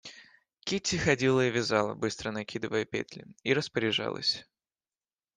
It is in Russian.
Кити ходила и вязала, быстро накидывая петли, и распоряжалась.